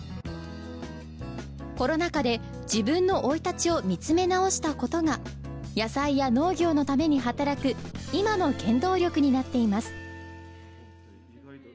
コロナ禍で自分の生い立ちを見つめ直したことが野菜や農業のために働く今の原動力になっています。